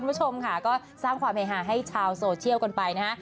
คุณผู้ชมค่ะก็สร้างความเฮฮาให้ชาวโซเชียลกันไปนะฮะ